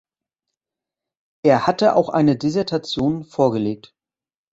Er hatte auch eine Dissertation vorgelegt.